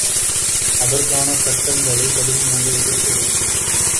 அதற்கான சட்டங்களைக் கடுமையாக எதிர்க்க வேண்டும்.